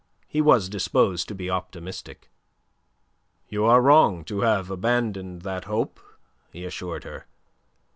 He was disposed to be optimistic. "You are wrong to have abandoned that hope," he assured her.